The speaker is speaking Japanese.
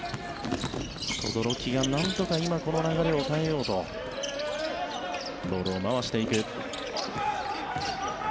轟がなんとか今この流れを変えようとボールを回していく。